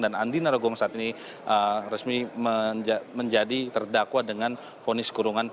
dan andi narogong saat ini resmi menjadi terdakwa dengan fonis kurungan